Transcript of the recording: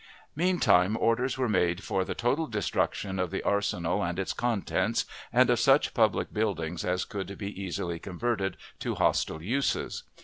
Meantime orders were made for the total destruction of the arsenal and its contents, and of such public buildings as could be easily converted to hostile uses.